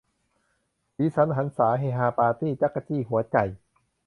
สีสันหรรษา เฮฮาปาร์ตี้ จั๊กจี้หัวใจ